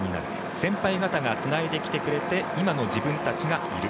先輩方がつないできてくれて今の自分がいる。